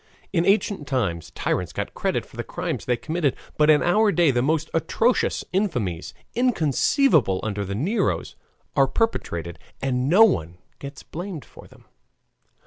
In ancient times tyrants got credit for the crimes they committed, but in our day the most atrocious infamies, inconceivable under the Neros, are perpetrated and no one gets blamed for them.